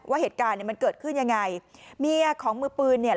ว่าเหตุการณ์เนี่ยมันเกิดขึ้นยังไงเมียของมือปืนเนี่ย